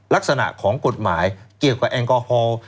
ลักษณะของกฎหมายเกี่ยวกับแอลกอฮอล์